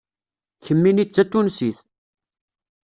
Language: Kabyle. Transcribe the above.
Kemmini d Tatunsit.